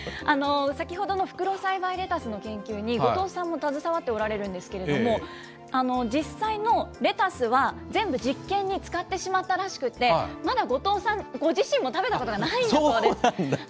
先ほどの袋栽培レタスの研究に後藤さんも携わっておられるんですけれども、実際のレタスは、全部実験に使ってしまったらしくて、まだ後藤さんご自身も食べたことがないんだそうです。